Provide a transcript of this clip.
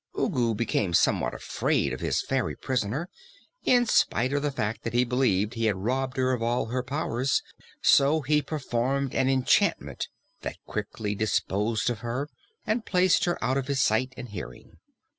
Ugu became somewhat afraid of his fairy prisoner, in spite of the fact that he believed he had robbed her of all her powers; so he performed an enchantment that quickly disposed of her and placed her out of his sight and hearing.